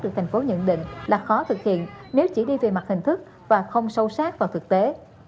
được thành phố nhận định là khó thực hiện nếu chỉ đi về mặt hình thức và không sâu sát vào thực tế